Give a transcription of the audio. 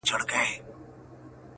هغه وكړې سوگېرې پــه خـاموشـۍ كي.